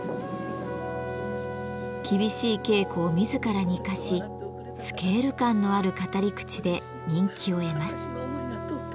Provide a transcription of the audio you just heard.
厳しい稽古を自らに課しスケール感のある語り口で人気を得ます。